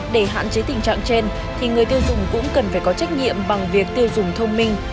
để hạn chế tình trạng trên thì người tiêu dùng cũng cần phải có trách nhiệm bằng việc tiêu dùng thông minh